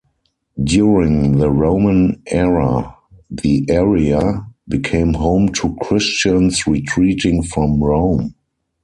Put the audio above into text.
During the Roman era, the area became home to Christians retreating from Rome.